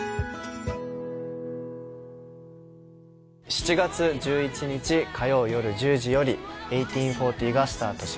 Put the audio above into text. ７月１１日火曜夜１０時より「１８／４０」がスタートします